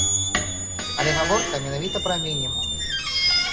Але гаворка менавіта пра мінімум.